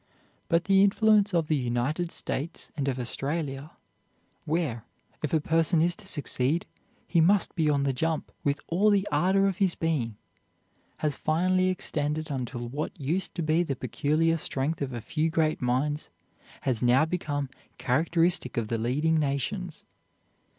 But the influence of the United States and of Australia, where, if a person is to succeed, he must be on the jump with all the ardor of his being, has finally extended until what used to be the peculiar strength of a few great minds has now become characteristic of the leading nations.